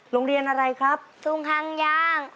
โรงเรียนอะไรครับทุ่งคังยาง